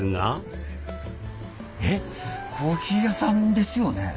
えっコーヒー屋さんですよね？